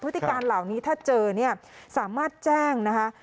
ติการเหล่านี้ถ้าเจอเนี่ยสามารถแจ้งนะคะ